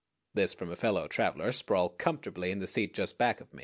this from a fellow traveler sprawled comfortably in the seat just back of me.